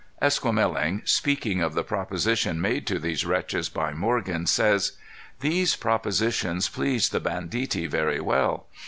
Esquemeling, speaking of the proposition made to these wretches by Morgan, says: "These propositions pleased the banditti very well.